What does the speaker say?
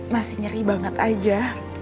masih nyeri banget aja